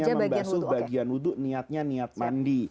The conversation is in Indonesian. hanya membasuh bagian wudhu niatnya niat mandi